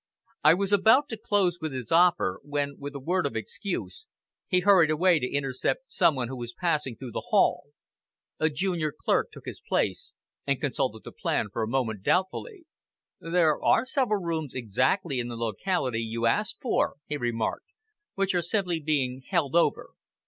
I was about to close with his offer, when, with a word of excuse, he hurried away to intercept some one who was passing through the hall. A junior clerk took his place, and consulted the plan for a moment doubtfully. "There are several rooms exactly in the locality you asked for," he remarked, "which are simply being held over.